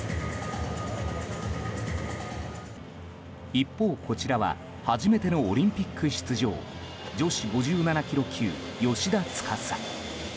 一方、こちらは初めてのオリンピック出場女子５７ｋｇ級、芳田司。